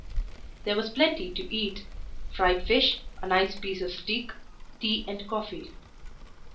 There was plenty to eat fried fish, a nice piece of steak, tea and coffee.